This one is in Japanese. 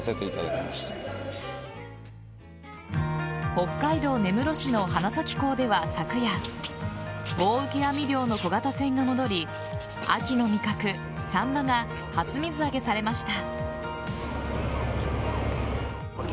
北海道根室市の花咲港では昨夜棒受け網漁の小型船が戻り秋の味覚・サンマが初水揚げされました。